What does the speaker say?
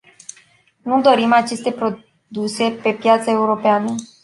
Nu dorim aceste produse pe piața europeană.